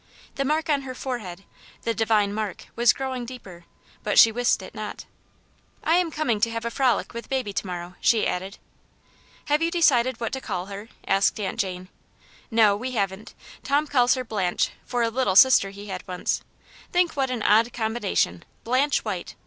The mark on her forehead, the divine mark, was growing deeper, but she wist it not. " I am coming to have a frolic with baby to morrow," she added. " Have you decided what to call her V asked Aunt Jane. " No, we haven't. Tom calls her Blanche, for a little sister he had once ; think what an odd com bination, Blanche White